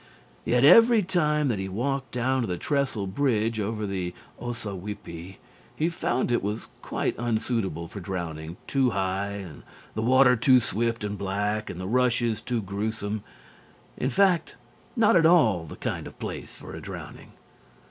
Yet every time that he walked down to the Trestle Bridge over the Ossawippi he found it was quite unsuitable for drowning too high, and the water too swift and black, and the rushes too gruesome in fact, not at all the kind of place for a drowning.